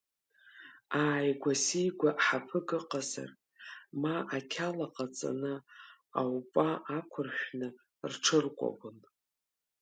Ааигәа-сигәа ҳаԥык ыҟазар, ма ақьала ҟаҵаны аупа ақәыршәны рҽыркәабон.